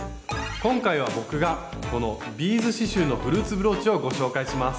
今回は僕がこのビーズ刺しゅうのフルーツブローチをご紹介します。